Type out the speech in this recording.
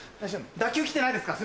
打球来てないですか？